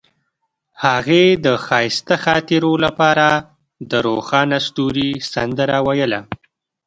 هغې د ښایسته خاطرو لپاره د روښانه ستوري سندره ویله.